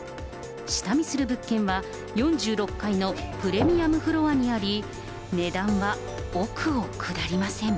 下見する物件は４６階のプレミアムフロアにあり、値段は億を下りません。